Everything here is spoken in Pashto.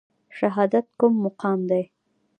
شهادت کوم مقام دی؟